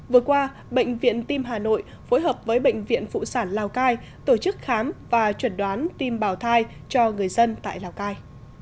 vừa qua bệnh viện tim hà nội phối hợp với bệnh viện phụ sản lào cai tổ chức khám và chuẩn đoán tim bảo thai cho người dân tại lào cai